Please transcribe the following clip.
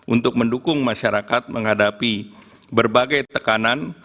untuk mendukung masyarakat menghadapi berbagai tekanan